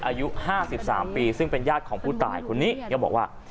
อายุ๕๓ปีซึ่งเป็นญาติของผู้ตายคนนี้ก็บอกว่า